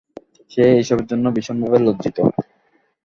সে এসবের জন্য ভীষণভাবে লজ্জিত!